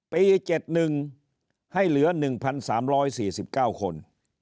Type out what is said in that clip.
๗๑ให้เหลือ๑๓๔๙คน